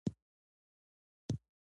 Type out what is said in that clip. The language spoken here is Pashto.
کوتره له خلکو سره ژر اشنا کېږي.